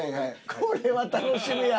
これは楽しみや！